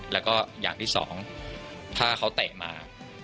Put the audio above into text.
แล้วก็อย่างที่สองถ้าเขาเตะมา